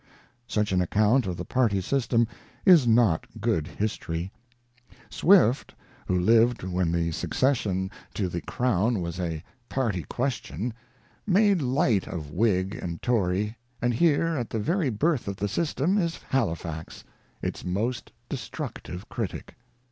Such an account of the Party system is not good history. Swift, who lived when the succession to the INTRODUCTION. the Crown was a Party question, made light of Whig and Tory, and here, at the very birth of the system, is Halifax, its most destructive critic.